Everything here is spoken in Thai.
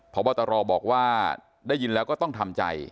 พบตรบอกว่าได้ยินแล้วก็ต้องทำใจ